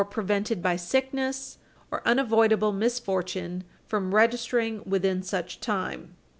. prevented by sickness or unavoidable misfortune from registering ... within such time."